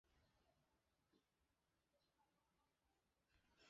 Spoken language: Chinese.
木浦远东广播是位于韩国全罗南道木浦市的远东广播公司的地方制作中心。